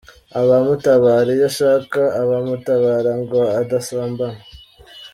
abamutabara iyo ashaka abamutabara ngo adasambana.